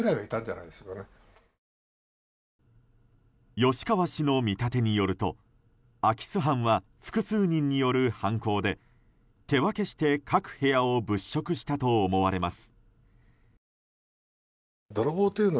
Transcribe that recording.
吉川氏の見立てによると空き巣犯は複数人による犯行で手分けして各部屋を物色したと思われます。